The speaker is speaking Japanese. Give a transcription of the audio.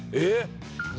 えっ！？